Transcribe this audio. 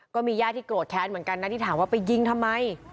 ก็มีญาติที่โกรธแค้นเหมือนกันนะที่ถามว่าไปยิงทำไม